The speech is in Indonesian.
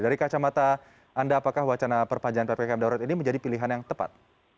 dari kacamata anda apakah wacana perpanjangan ppkm darurat ini menjadi pilihan yang tepat